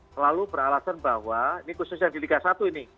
selalu beralasan bahwa ini khususnya di liga satu ini